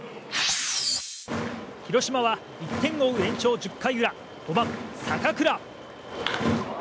広島は１点を追う延長１０回裏、５番坂倉。